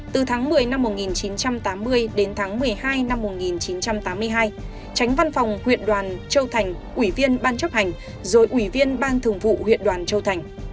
từ tháng một mươi năm một nghìn chín trăm tám mươi đến tháng một mươi hai năm một nghìn chín trăm tám mươi hai tránh văn phòng huyện đoàn châu thành ủy viên ban chấp hành rồi ủy viên ban thường vụ huyện đoàn châu thành